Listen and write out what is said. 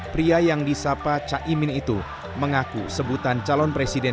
pria yang disapa caimin itu mengaku sebutan calon presiden